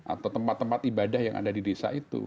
atau tempat tempat ibadah yang ada di desa itu